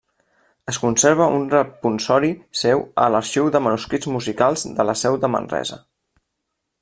Es conserva un responsori seu a l'Arxiu de Manuscrits Musicals de la Seu de Manresa.